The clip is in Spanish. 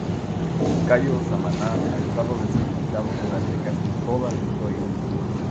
Cayo Samaná ha estado deshabitada durante casi toda la historia.